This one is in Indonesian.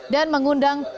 dan mengundang perusahaan